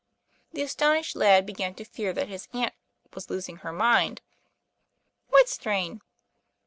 The astonished lad began to fear that his aunt was losing her mind. " What strain